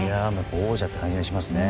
王者って感じがしますね。